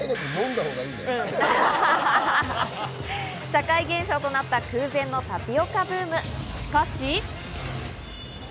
社会現象となった空前のタピオカブーム。